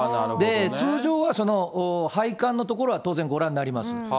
通常は配管の所は当然ご覧になります。